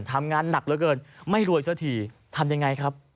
ทำงานหนักเหลือเกินไม่รวยซะทีทำยังไงครับ